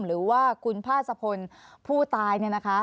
หรือว่าคุณพาสะพลผู้ตายเนี่ยนะคะ